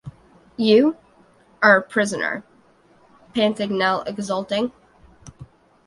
“You — are — a prisoner,” panted Nell, exulting.